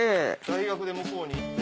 大学で向こうに行って。